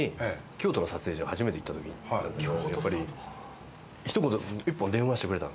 京都の撮影所初めて行った時やっぱりひと言一本電話してくれたんですね。